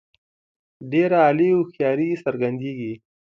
ډېره عالي هوښیاري څرګندیږي.